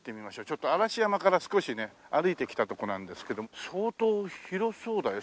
ちょっと嵐山から少しね歩いてきたとこなんですけども相当広そうだよ。